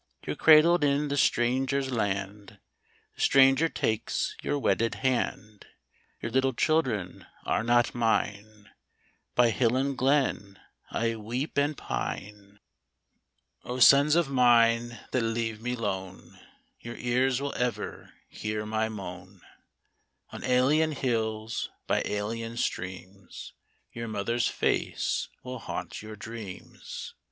You're cradled in the stranger's land, The stranger takes your wedded hand, Your little children are not mine : By hill and glen I weep and pine. 66 THE FORSAKEN MOTHER 67 O sons of mine that leave me lone Your ears will ever hear my moan : On alien hills, by alien streams Your mother's face will haunt your dreams.